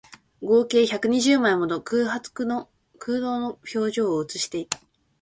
合計百二十枚もの空洞の表情を写していた